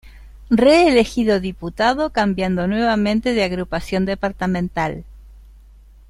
Reelegido Diputado cambiando nuevamente de agrupación departamental.